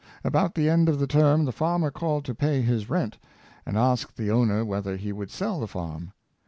About the end of the term the farmer called to pay his rent, and asked the owner whether he would sell the farm.